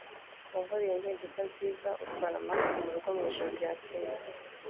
Wankoreye impinduka nziza utwara Max murugo mwijoro ryakeye